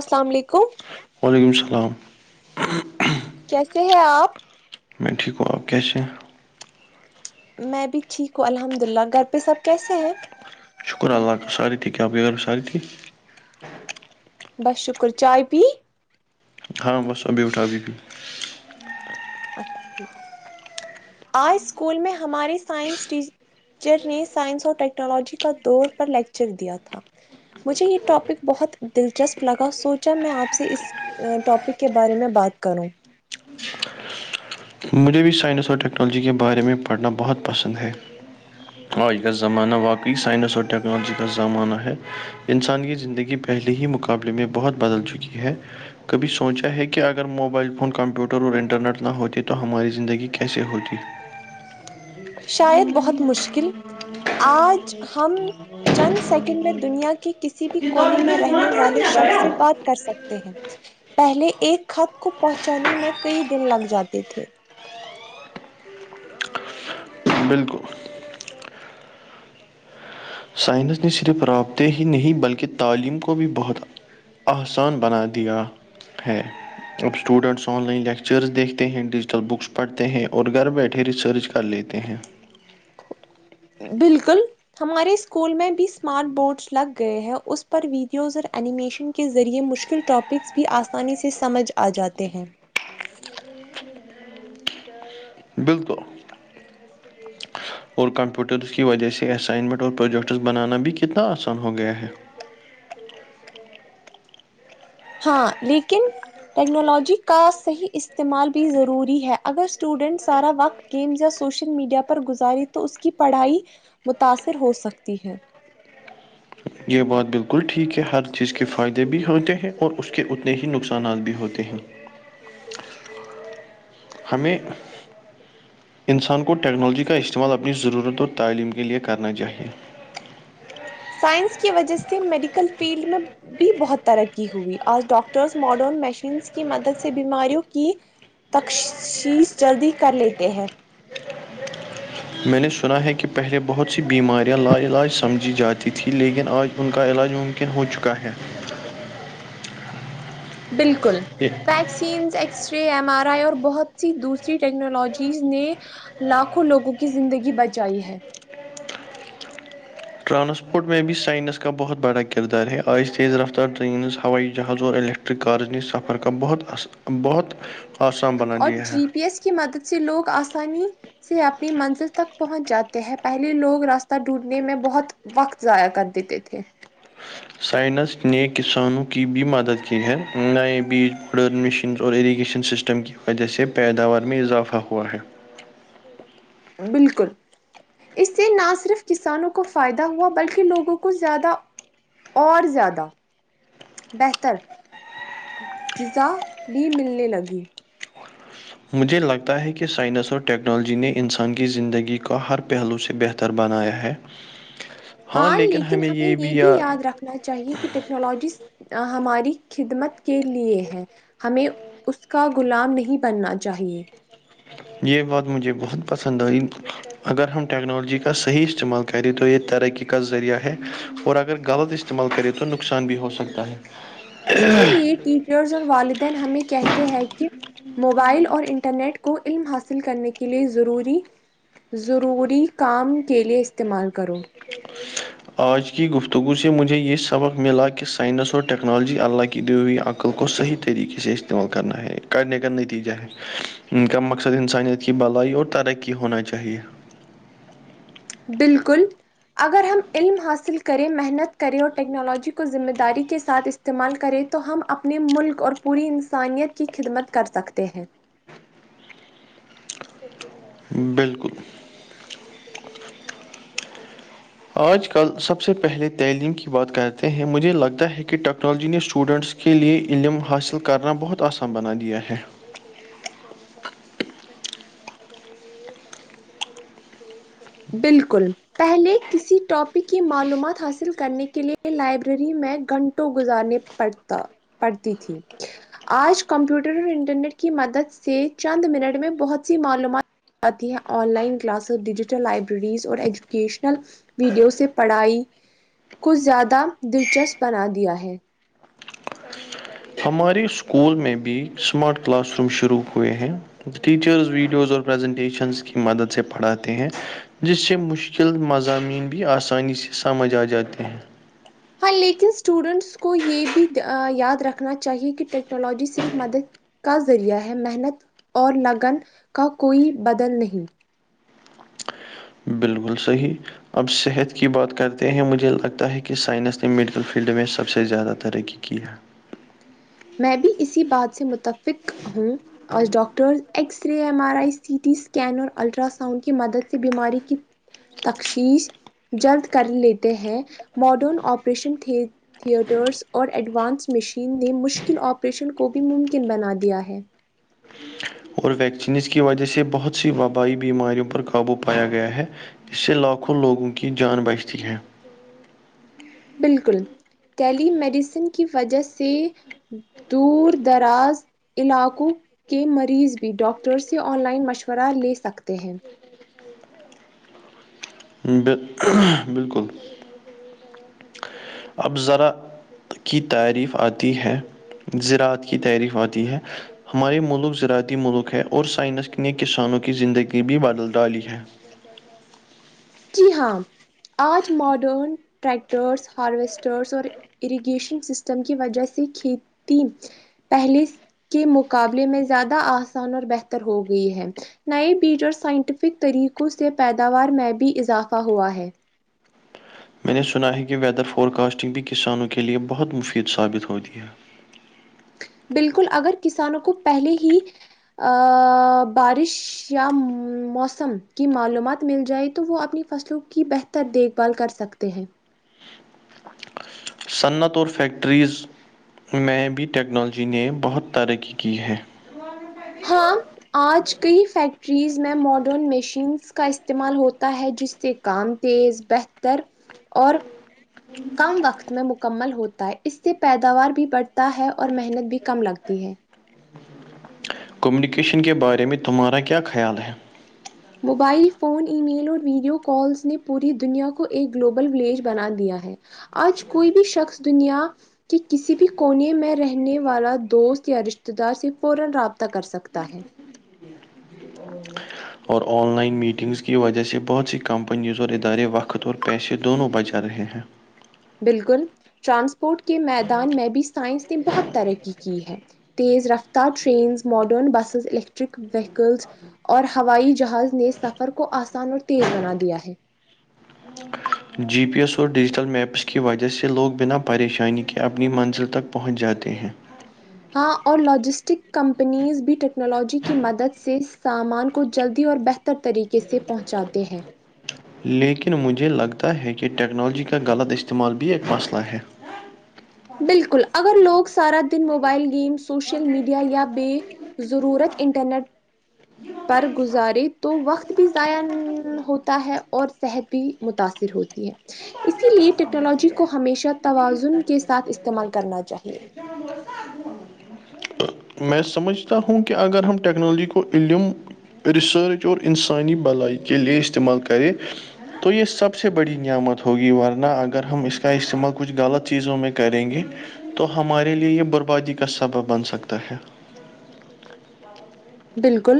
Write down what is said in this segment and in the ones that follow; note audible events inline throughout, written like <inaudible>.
السلام علیکم وعلیکم السلام کیسے ہے آپ میں ٹھیک ہوں آپ کیسے ہیں میں بھی ٹھیک ہوں الحمد للہ گھر پہ سب کیسے ہیں شکر اللہ کا ساری تھی کیا ساری تھی بس شکر چائے پی ہاں بس ابھی اٹھا ابھی بھی اچھا ٹھیک آج اسکول میں ہماری سائنس ٹی چر نے سائنس اور ٹیکنالوجی کا دور پر لیکچر دیا تھا مجھے یے ٹاپک بہت دلچسپ لگا سوچا میں آپ سے اس ٹاپک کے بارے میں بات کروں مجھے بھی سائنس اور ٹیکنالوجی کے بارے میں پڑھنا بہت پسند ہے آج کا زمانہ واقعی سائنس اور ٹیکنالوجی کا زمانہ ہے انسان کی زندگی پہلے ہی مقابلے میں بہت بدل چکی ہے کبھی سوچا ہے کہ اگر موبائل فون کمپیوٹر اور انٹرنیٹ نہ ہوتے تو تو ہماری زندگی کیسے ہوتی شاید بہت مشکل آج ہم چند سیکنڈ میں دنیا کے کسی بھی کونے میں رہنے والے شخص سے بات کر سکتے ہیں پہلے ایک خط کو پہنچانے میں کئی دن لگ جاتے تھے بالکل سائنس نے صرف رابطے ہی نہیں بلکہ تعلیم کو بھی بہت آسان بنا دیا ہے اب اسٹوڈینٹس آن لائن لیکچرس دیکھتے ہیں ڈیجیٹل بکس پڑھتے ہیں اور گھر بیٹھے ریسرچ کر لیتے ہیں بالکل ہمارے اسکول میں بھی اسمارٹ بورڈس لگ گئے ہیں اس پر ویڈیوز اور اینیمیشن کے ذریعے مشکل ٹاپکس بھی آسانی سے سمجھ آ جاتے ہیں بالکل اور کمپیوٹر کی وجہ سے اسائنمنٹ اور پروجیکٹس بنانا بھی کتنا آسان ہو گیا ہے ہاں لیکن ٹیکنالوجی کا صحیح استعمال بھی ضروری ہے اگر اسٹوڈینٹ سارا وقت گیمز یا سوشل میڈیا پر گزاری تو اس کی پڑھائی متاثر ہو سکتی ہے یہ بات بالکل ٹھیک ہے ہر چیز کے فائدے بھی ہوتے ہیں اور اس کے اتنے ہی نقصانات بھی ہوتے ہیں ہمیں انسان کو ٹیکنالوجی کا استعمال اپنی ضرورت اور تعلیم کے لیے کرنا چاہیے سائنس کی وجہ سے میڈیکل فیلڈ میں بھی بہت ترقی ہوئی آج ڈاکٹرس ماڈرن مشینس کی مدد سے بیماریوں کی تخشیش جلدی کر لیتے ہیں میں نے سنا ہے کہ پہلے بہت سی بیماریاں لا علاج سمجھی جاتی تھی لیکن آج ان کا علاج مم کن ہو چکا ہے بالکل but vaccines x ray M R I اور بہت سی دوسری ٹیکنالوجیز نے لاکھوں لوگوں کی زندگی بچائی ہے ٹرانسپورٹ میں بھی سائنس کا بہت بڑا کردار ہے آج تیز رفتار ٹرینز ہوائی جہاز اور الک ٹرک کارز سفر کا بہت ا بہت آسان بنا اور دیا ہے جی پی ایس کی مدد سے لوگ آسانی سے اپنی منزل تک پہنچ جاتے ہیں پہلے لوگ راستہ ڈھونڈنے میں بہت وقت ضائع کر دیتے تھے سائنس نے کسانوں کی بھی مدد کی ہے نئے بیج بر مشین اور اریگیشن سسٹم کی وجہ سے پیداوار میں اضافہ ہوا ہے بالکل اس سے نہ صرف کسانوں کو فائدہ ہوا بلکہ لوگوں کو زیادہ اور زیادہ بہتر غذا بھی ملنے لگی مجھے لگتا ہے کہ سائنس اور ٹیکنالوجی نے انسان کی زندگی کا ہر پہلو سے بہتر تر بنایا ہے ہاں لیکن ہمیں یہ بھی یاد رکھنا چاہیے کہ ٹیکنالوجیز ہماری خدمت کے لیے ہے ہمیں اس کا غلام نہیں بننا چاہیے یہ بات مجھے بہت پسند آئی اگر ہم ٹیکنالوجی کا صحیح استعمال کریں تو یہ ترقی کا ذریعہ ہے اور اگر غلط استعمال کرے تو نقصان بھی ہو سکتا ہے اسی لیے ٹیچرس اور والدین ہمیں کہتے ہیں کہ موبائل اور انٹرنیٹ کو علم حاصل کرنے کے لیے ضروری ضروری کام کے لیے استعمال کرو آج کی گفتگو سے مجھے یہ سبق ملا کہ سائنس اور ٹیکنالوجی اللہ کی دی ہوئی عقل کو صحیح طریقے سے استعمال کرنا ہے کرنے کا نتیجہ ہے ان کا مقصد انسانیت کی بھلائی اور ترقی ہونا چاہیے بالکل اگر ہم علم حاصل کریں محنت کریں اور ٹیکنالوجی کو ذمہ داری کے ساتھ استعمال کریں تو ہم اپنے ملک اور پوری انسانیت کی خدمت کر سکتے ہیں بالکل آج کل سب سے پہلے تعلیم کی بات کرتے ہیں مجھے لگتا ہے کہ ٹیکنالوجی نے اسٹوڈنٹس کے لیے علم حاصل کرنا بہت آسان بنا دیا ہے بالکل پہلے کسی ٹاپک کی معلومات حاصل کرنے کے لیے لائبریری میں گھنٹوں گزارنے پڑھتا پڑھتی تھی آج کمپیوٹر اور انٹرنیٹ کی مدد سے چند منٹ میں بہت سی معلومات آتی ہے آن لائن کلاس اور ڈیجیٹل لائبرریز اور ایجوکیشنل ویڈیو سے پڑھائی کو زیادہ دلچسپ بنا دیا ہے ہمارے اسکول میں بھی اسمارٹ کلاس روم شروع ہوئے ہیں ٹیچرز ویڈیوز اور پریزنٹیشنس کی مدد سے پڑھاتے ہیں جس سے مشکل مضامین بھی آسانی سے سمجھ آ جاتے ہیں ہاں لیکن اسٹوڈنٹس کو یہ بھی دھ یاد رکھنا چاہیے کہ ٹیکنالوجی صرف مدد کا ذریعہ ہے محنت اور لگن کا کوئی بدل نہیں بالکل صحیح اب صحت کی بات کرتے ہیں مجھے لگتا ہے کہ سائنس نے میڈیکل فیلڈ میں سب سے زیادہ ترقی کیا میں بھی اسی بات سے متفق ہوں اور doctor x X-ray M R I C T scan اور الٹرا ساؤنڈ کی مدد سے بیماری کی تشخیص جلد کر لیتے ہیں ماڈرن آپریشن تھی تھیئٹرس اور ایڈوانس مشین نے مشکل آپریشن کو بھی ممکن بنا دیا ہے اور ویکسینس کی وجہ سے بہت سی وبائی بیماریوں پر قابو پایا گیا ہے اس سے لاکھوں لوگوں کی جان بچتی ہے بالکل ٹیلی میڈیسن کی وجہ سے دور دراز علاقوں کے مریض بھی ڈاکٹر سے آن لائن مشورہ لے سکتے ہیں بل بالکل اب ذرا کی تعریف آتی ہے زراعت کی تعریف آتی ہے ہمارے ملک زراعتی ملک ہے اور سائنس نے کسانوں کی زندگی بھی بدل دالی ہے جی ہاں آج ماڈرن ٹریکٹرس ہارویسٹرس اور اریگیشن سسٹم کی وجہ سے کھیتی پہلے کے مقابلے میں زیادہ آسان اور بہتر ہو گئی ہے نئے بیج اور سائنٹیفک طریقوں سے پیداوار میں بھی اضافہ ہوا ہے میں نے سنا ہے کہ ویدر فورکاسٹنگ بھی کسانوں کے لیے بہت مفید ثابت ہوتی ہے بالکل اگر کسانوں کو پہلے ہی بارش یا موسم کی معلومات مل جائے تو وہ اپنی فصلوں کی بہتر دیکھ بھال کر سکتے ہیں صنعت اور فیکٹریز میں بھی ٹیکنالوجی نے بہت ترقی کی ہے <unintelligible> ہاں آج کئی فیکٹریز میں ماڈرن مشینس کا استعمال ہوتا ہے جس سے کام تیز بہتر اور کم وقت میں مکمل ہوتا ہے اس سے پیداوار بھی بڑھتا ہے اور محنت بھی کم لگتی ہے کمیونیکیشن کے بارے میں تمہارا کیا خیال ہے موبائل فون ای میل اور ویڈیو کالس نے پوری دنیا کو ایک گلوبل ولیج بنا دیا ہے آج کوئی بھی شخص دنیا کہ کسی بھی کونے میں رہنے والا دوست یا رشتے دار سے فورا رابطہ کر سکتا ہے <inaudible> اور آن لائن میٹنگز کی وجہ سے بہت سی کمپنیز اور ادارے وقت اور پیسے دونوں بچا رہے ہیں بالکل ٹرانسپورٹ کے میدان میں بھی سائنس نے بہت ترقی کی ہے تیز رفتار trains modern buses electric vehicles اور ہوائی جہاز نے سفر کو آسان اور تیز بنا دیا ہے جی پی ایس اور ڈیجیٹل میپس کی وجہ سے لوگ بنا پریشانی کے اپنی منزل تک پہنچ جاتے ہیں ہاں اور لاجسٹک کمپنیز بھی ٹیکنالوجی کی مدد سے اس سامان کو جلدی اور بہتر تر طریقے سے پہنچاتے ہیں لیکن مجھے لگتا ہے کہ ٹیکنالوجی کا غلط استعمال بھی ایک مسئلہ ہے بالکل اگر لوگ سارا دن موبائل گیم سوشل میڈیا یا بے ضرورت انٹرنیٹ پر گزارے تو وقت بھی ضائع ہوتا ہے اور صحت بھی متاثر ہوتی ہے اسی لیے ٹیکنالوجی کو ہمیشہ توازن کے ساتھ استعمال کرنا چاہیے میں سمجھتا ہوں کہ اگر ہم ٹیکنالوجی کو علم ریسرچ اور انسانی بھلائی کے لئے استعمال کرے تو یے سب سے بڑی نعمت ہوگی ورنہ اگر ہم اس کا استعمال کچھ غلط چیزوں میں کریں گے تو ہمارے لیے یے بربادی کا سبب بن سکتا ہے بالکل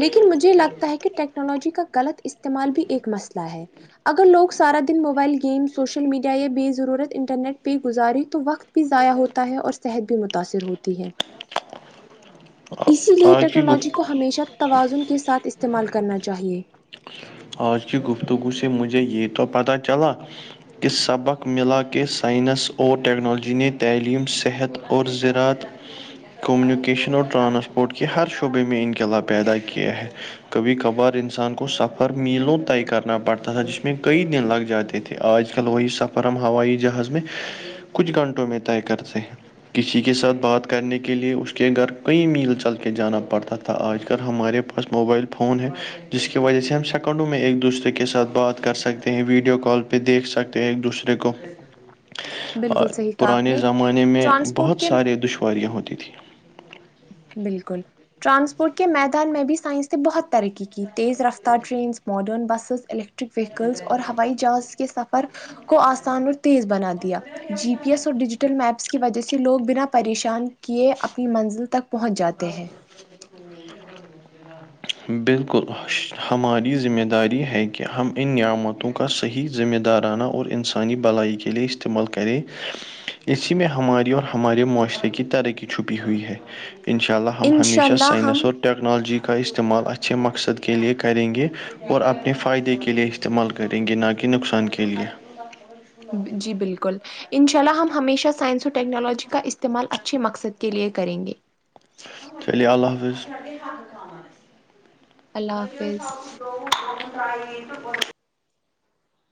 لیکن مجھے لگتا ہے کی ٹیکنالوجی کا غلط استعمال بھی ایک مسئلہ ہے اگر لوگ سارا دن موبائل گیم سوشل میڈیا بے ضرورت انٹرنیٹ پے گزارے تو وقت بھی ضائع ہوتا ہے اور صحت بھی متاثر ہوتی ہے ج اسی لیے ٹیکنالوجی کو ہمیشہ توازن کے ساتھ استعمال کرنا چاہیے آج کی گفتگو سے مجھے یے تو پتہ چلا ی سبق ملا کہ سائنس اور ٹیکنالوجی نے تعلیم صحت اور زراعت کمیونکیشن اور ٹرانسپورٹ کے ہر شعبے میں انقلاب پیدا کیا ہے کبھی کبھار انسان کو سخت پر میلوں طے کرنا پڑتا تھا جس میں کئی دن لگ جاتے تھے آج کل وہی سب اور ہم ہوائی جہاز میں کچھ گھنٹوں میں طے کرتے ہیں کسی کے ساتھ بات کرنے کے لیے اس کے گھر کہیں میل چل کے جانا پڑتا تھا آج کل ہمارے موبائل فون ہے جس کی وجہ سے ہم سب سیکنڈوں میں ایک دوسرے کے ساتھ بات کر سکتے ہیں ویڈیو کال پہ دیکھ سکتے ہیں ایک دوسرے کو بالکل صحیح کہا آپ پرانے نے زمانے میں ٹرانسپورٹ بہت کے سارے دشواریاں ہوتی تھیں بالکل ٹرانسپورٹ کے میدان میں بھی سائنس نے بہت ترقی کی تیز رفتار ٹرینس ماڈرن بسز الٹ الیکٹرک وہیکلس اور ہوائی جہاز کے سفر کو آسان اور تیز بنا دیا جی پی ایس اور ڈیجیٹل میپس کی وجہ سے لوگ بنا پریشان کیے اپنی منزل تک پہنچ جاتے ہاں <unintelligible> بالکل ہماری ذمہ داری ہے کہ ہم ان نعمتوں کا صحیح ذمہ دارانہ اور انسانی بلائی کے لئے استعمال کرے اسی میں ہماری اور ہمارے معاشرے کی ترقی چھپی ہوئی ہے انشاء اللہ ہم ہم انشاء ہمیشہ اللہ سائنس ہم اور ٹیکنالوجی کا استعمال اچھے مقصد کے لیے کریں گے اور اپنے فائدے کے لیے استعمال کریں گے نہ کہ نقصان کے لیے جی بالکل انشاء اللہ ہم ہمیشہ سائنس اور ٹیکنالوجی کا استعمال اچھے مقصد کے لیے کریں گے چلیے اللہ حافظ اللہ حافظ ئی تو ب <unintelligible>